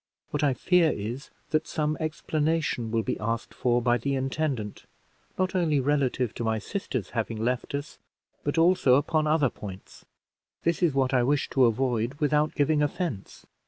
What I fear is, that some explanation will be asked for by the intendant, not only relative to my sisters having left us, but also upon other points. This is what I wish to avoid without giving offense.